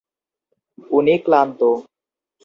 উনি ক্লান্ত।